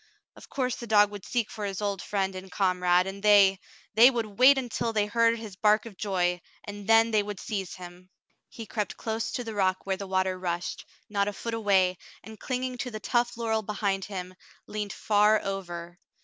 Of course the dog would seek for his old friend and comrade, and they — they would wait until they heard his bark of joy, and then they would seize him. He crept close to the rock where the water rushed, not a foot away, and clinging to the tough laurel behind him, leaned far over.